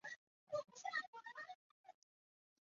唐朝的海上丝绸之路远至波斯湾乃至非洲东海岸一带。